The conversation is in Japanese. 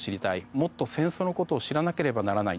もっと戦争のことを知らなければならない。